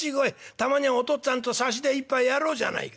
たまにはお父っつぁんと差しで一杯やろうじゃないか。